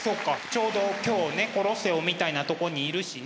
ちょうど今日ねコロッセオみたいなとこにいるしね。